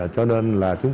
cho nên là chúng ta